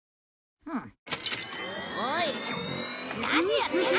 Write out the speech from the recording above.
おい何やってんだ！